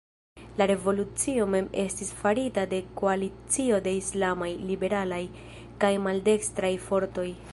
La revolucio mem estis farita de koalicio de islamaj, liberalaj kaj maldekstraj fortoj.